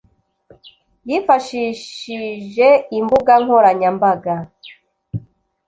Yifashishijeimbuga nkoranya mbaga.